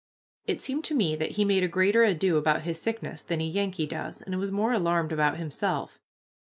It seemed to me that he made a greater ado about his sickness than a Yankee does, and was more alarmed about himself.